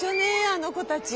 あの子たち。